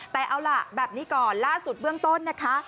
แต่เอาล่ะแบบนี้ก่อนล่าสุดเบื้องต้นนะคะ